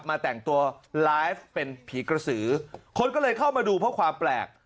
แต่งตัวไลฟ์เป็นผีกระสือคนก็เลยเข้ามาดูเพราะความแปลก